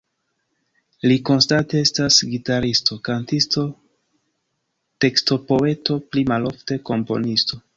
Li konstante estas gitaristo, kantisto, tekstopoeto, pli malofte komponisto.